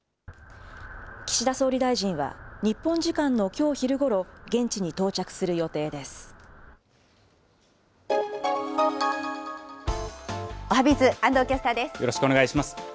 岸田総理大臣は、日本時間のきょう昼ごろ、現地に到着する予定でおはＢｉｚ、安藤キャスターよろしくお願いします。